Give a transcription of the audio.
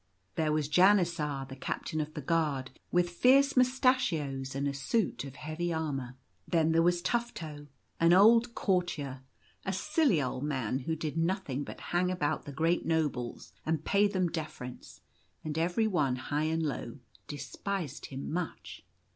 There was Janisar, the Captain of the Guard, with fierce moustachios and a suit of heavy armour. Then there wasTufto, an old courtier, a silly old man who did nothing but hang about the great nobles and pay them deference, and every one, high and low, des pised him much.